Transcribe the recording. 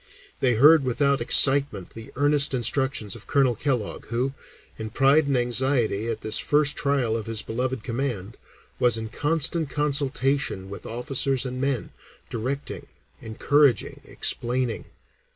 They heard without excitement the earnest instructions of Colonel Kellogg, who, in pride and anxiety at this first trial of his beloved command, was in constant consultation with officers and men, directing, encouraging, explaining.